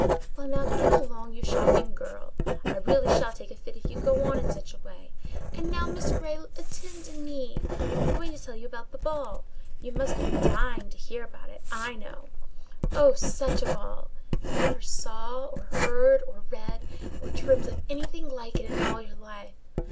"Well, now get along, you shocking girl! I really shall take a fit if you go on in such a way. And now, Miss Grey, attend to me; I'm going to tell you about the ball. You must be dying to hear about it, I know. Oh, such a ball! You never saw or heard, or read, or dreamt of anything like it in all your life.